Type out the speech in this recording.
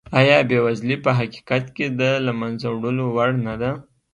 ایا بېوزلي په حقیقت کې د له منځه وړلو وړ نه ده؟